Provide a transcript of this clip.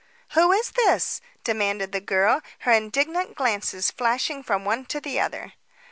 "Who is this?" demanded the girl, her indignant glances flashing from one to the other.